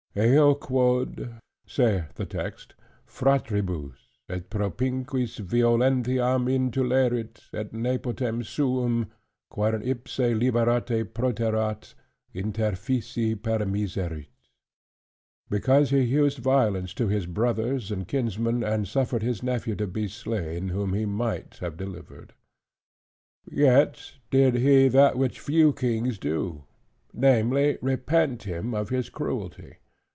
"Eo quod," saith the text, "fratribus, et propinquis violentiam intulerit, et nepotem suum, quern ipse liberate poterat, interfici permiserit": "Because he used violence to his brothers and kinsmen, and suffered his nephew to be slain whom he might have delivered." Yet did he that which few kings do; namely, repent him of his cruelty.